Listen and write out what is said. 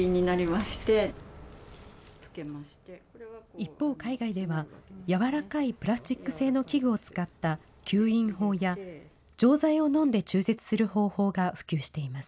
一方、海外では柔らかいプラスチック製の器具を使った吸引法や、錠剤を飲んで中絶する方法が普及しています。